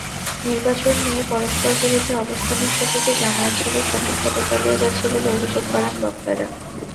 নির্বাচন নিয়ে পরস্পরবিরোধী অবস্থানের সুযোগে জামায়াত-শিবির সহিংসতা চালিয়ে যাচ্ছে বলে অভিযোগ করেন বক্তারা।